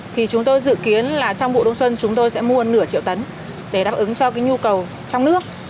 thì chúng tôi dự kiến là trong vụ đông xuân chúng tôi sẽ mua nửa triệu tấn để đáp ứng cho cái nhu cầu trong nước